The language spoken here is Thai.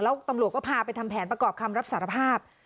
แล้วตำรวจก็พาไปทำแผนประกอบคำรับสารภาพ